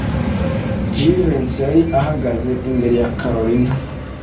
Jivency yari ahagaze imbere ya Kalorina.